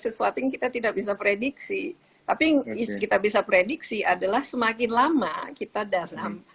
sesuatu yang kita tidak bisa prediksi tapi yang kita bisa prediksi adalah semakin lama kita dalam